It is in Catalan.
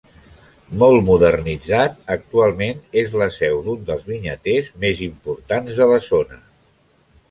Molt modernitzat, actualment és la seu d'un dels vinyaters més importants de la zona.